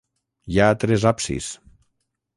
Hi ha tres absis.